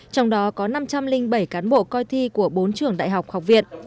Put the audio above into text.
trong đó có năm trăm linh bảy cán bộ coi thi của bốn trường đại học học viện